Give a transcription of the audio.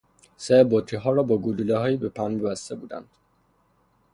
سر بطری ها را با گلوله هایی از پنبه بسته بودند.